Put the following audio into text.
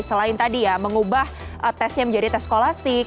selain tadi ya mengubah tesnya menjadi tes kolastik